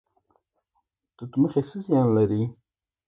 توت مخي څه زیان لري؟